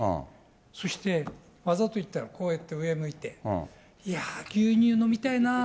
そして、わざといったら、こうやって上向いて、いやー、牛乳飲みたいな。